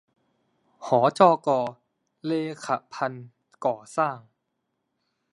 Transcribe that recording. หจก.เลขะพันธุ์ก่อสร้าง